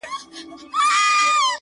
o بيا کرار ـکرار د بت و خواته گوري ـ